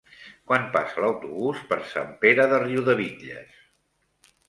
Quan passa l'autobús per Sant Pere de Riudebitlles?